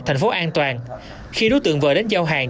thành phố an toàn khi đối tượng vừa đến giao hàng